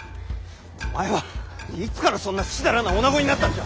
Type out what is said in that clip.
お前はいつからそんなふしだらなおなごになったんじゃ！